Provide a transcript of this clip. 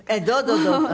どうぞどうぞ。